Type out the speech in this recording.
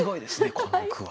この句は。